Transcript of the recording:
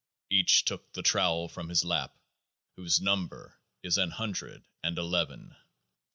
Each took the Trowel from his LAP, 25 whose number is An Hundred and Eleven.